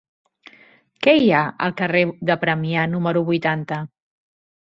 Què hi ha al carrer de Premià número vuitanta?